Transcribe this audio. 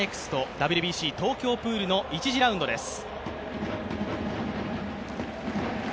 ＷＢＣ東京プールの１次ラウンドです。